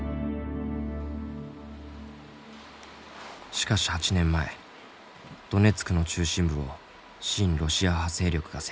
しかし８年前ドネツクの中心部を親ロシア派勢力が占拠。